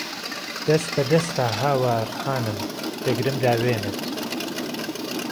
دەس به دەستا هاوار خانم، دەگرم داوێنت